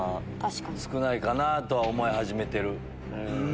少ないかなとは思い始めてる。